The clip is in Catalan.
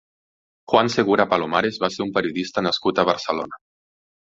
Juan Segura Palomares va ser un periodista nascut a Barcelona.